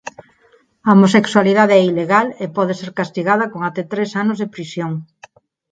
A homosexualidade é ilegal e pode ser castigada con até tres anos de prisión.